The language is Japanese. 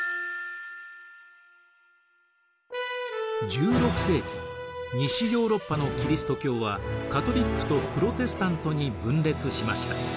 １６世紀西ヨーロッパのキリスト教はカトリックとプロテスタントに分裂しました。